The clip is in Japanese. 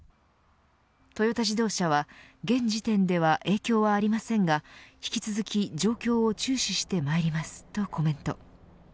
トヨタ自動車は現時点では影響はありませんが引き続き状況を注視してまいりますとコメント。